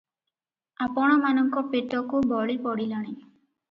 ଆପଣ ମାନଙ୍କ ପେଟକୁ ବଳି ପଡ଼ିଲାଣି ।